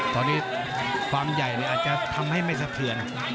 ตอนนี้ความใหญ่อาจจะทำให้ไม่สะเทือน